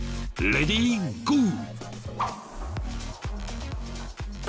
レディーゴー！